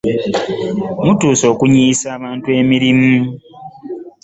Mutuuse okunyiyisa abantu emirimu.